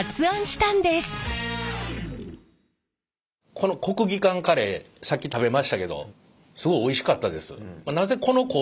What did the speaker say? この国技館カレーさっき食べましたけどすごいおいしかったです。